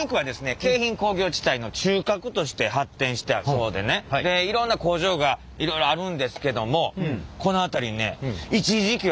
京浜工業地帯の中核として発展したそうでねいろんな工場がいろいろあるんですけどもこの辺りにねそんな作る？